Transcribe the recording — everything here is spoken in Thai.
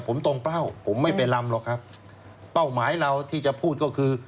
ผมตรงเป้าผมไม่ไปลำหรอกครับเป้าหมายเราที่จะพูดก็คือ